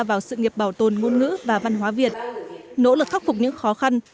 vào sự nghiệp bảo tồn ngôn ngữ và văn hóa việt nỗ lực khắc phục những khó khăn